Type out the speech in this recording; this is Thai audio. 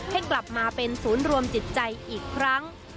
ให้กลับมาเป็นศูนย์รวมจิตใจอีกครั้ง